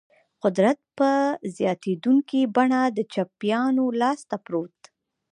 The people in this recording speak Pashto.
قدرت په زیاتېدونکي بڼه د چپیانو لاس ته پرېوت.